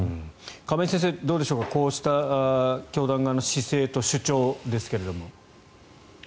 亀井先生、どうでしょうかこうした教団側の姿勢と主張ですが。